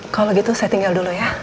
kalau gitu saya tinggal dulu ya